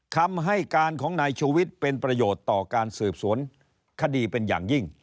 คำให้การของนายชูวิทย์เป็นประโยชน์ต่อการสืบสวนคดีเป็นอย่างยิ่ง